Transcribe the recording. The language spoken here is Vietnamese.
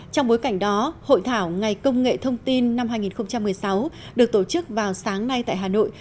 trong bối cảnh đó hội thảo ngày công nghệ thông tin năm hai nghìn một mươi sáu được tổ chức vào sáng nay tại hà nội